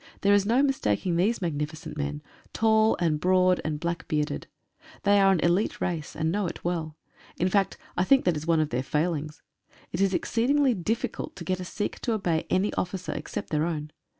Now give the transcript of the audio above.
There is no mistaking these magnificent men, tall and broad and black bearded. They are an elite race, and know it well. In fact, I think that is one of their failings. It is exceedingly diffi cult to get a Sikh to obey any officer, except their own.